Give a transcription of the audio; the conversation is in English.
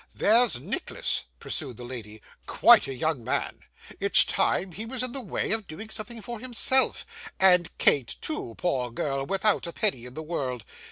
'There's Nicholas,' pursued the lady, 'quite a young man it's time he was in the way of doing something for himself; and Kate too, poor girl, without a penny in the world.